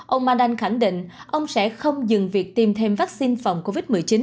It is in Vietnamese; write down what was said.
ông mandan khẳng định ông sẽ không dừng việc tiêm thêm vắc xin phòng covid một mươi chín